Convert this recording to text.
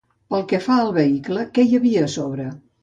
Pel que fa al vehicle, què hi havia a sobre?